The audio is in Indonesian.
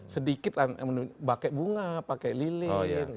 sedikit pakai bunga pakai lilin